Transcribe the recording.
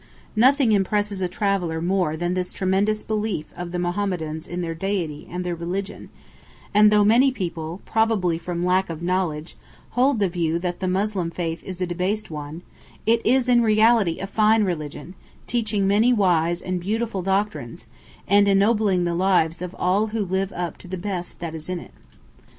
Nothing impresses a traveller more than this tremendous belief of the Mohammedans in their Deity and their religion; and though many people, probably from lack of knowledge, hold the view that the Moslem faith is a debased one, it is in reality a fine religion, teaching many wise and beautiful doctrines, and ennobling the lives of all who live up to the best that is in it.